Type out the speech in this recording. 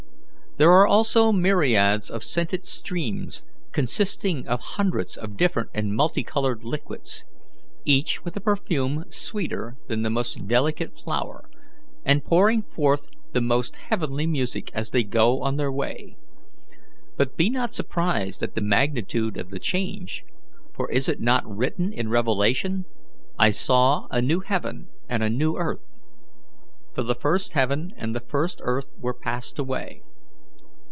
There are also myriads of scented streams, consisting of hundreds of different and multi coloured liquids, each with a perfume sweeter than the most delicate flower, and pouring forth the most heavenly music as they go on their way. But be not surprised at the magnitude of the change, for is it not written in Revelation, 'I saw a new heaven and a new earth; for the first heaven and the first earth were passed away'?